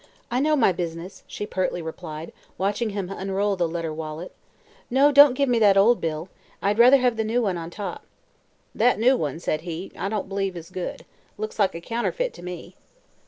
"I know my business," she pertly replied, watching him unroll the leather wallet. "No; don't give me that old bill. I'd rather have the new one on top." "That new one," said he, "I don't b'lieve is good. Looks like a counterfeit, to me."